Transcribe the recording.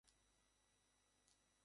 এছাড়াও নিজেরা কোন বাসা তৈরী করে না।